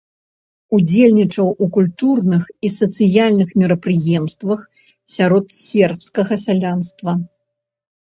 Удзельнічаў у культурных і сацыяльных мерапрыемствах сярод сербскага сялянства.